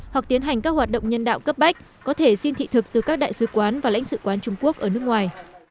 hoặc tiến hành các hoạt động nhân đạo cấp bách có thể xin thị thực từ các đại sứ quán và lãnh sự quán trung quốc ở nước ngoài